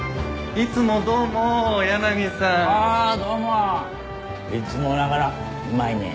いつもながらうまいねぇ。